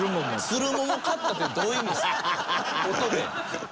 つる桃買ったってどういう意味ですか？